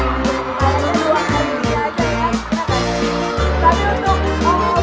ถ้าลองมาตะเรียกบาริโฮะ